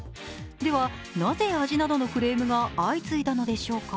ではなぜ、味などのクレームが相次いだのでしょうか。